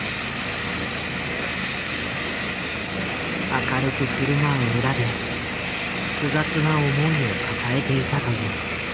明るく振る舞う裏で複雑な思いを抱えていたという。